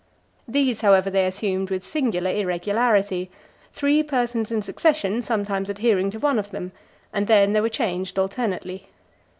These, however, they assumed with singular irregularity; three persons in succession sometimes adhering to one of them, and then they were changed alternately.